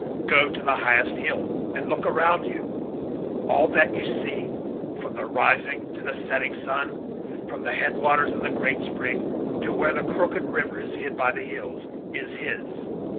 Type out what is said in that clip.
Go to the highest hill, and look around you. All that you see, from the rising to the setting sun, from the head waters of the great spring, to where the 'crooked river' * is hid by the hills, is his.